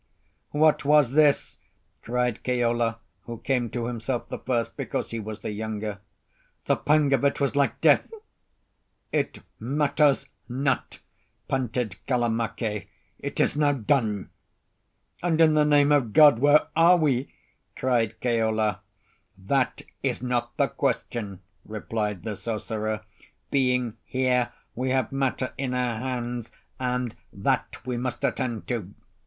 "What was this?" cried Keola, who came to himself the first, because he was the younger. "The pang of it was like death." "It matters not," panted Kalamake. "It is now done." "And, in the name of God, where are we?" cried Keola. "That is not the question," replied the sorcerer. "Being here, we have matter in our hands, and that we must attend to.